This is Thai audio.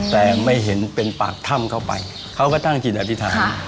แต่ไม่เห็นเป็นปากถ้ำเข้าไปเขาก็ตั้งจิตอธิษฐาน